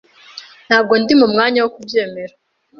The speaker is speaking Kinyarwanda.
Ntabwo ndi mu mwanya wo kubyemera.